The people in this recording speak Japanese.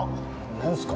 何すか？